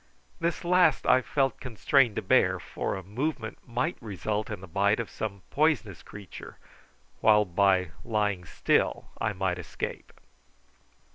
This last I felt constrained to bear, for a movement might result in the bite of some poisonous creature, while by lying still I might escape.